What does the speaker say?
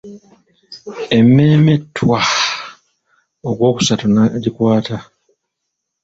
Emmeeme ttwaa! ogwokusatu nagikwata.